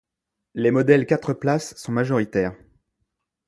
Les modèles quatre-places sont majoritaires.